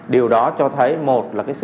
điều đó cho thấy là tình hình an ninh trật tự